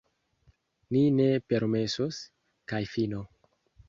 Ni ne permesos, kaj fino!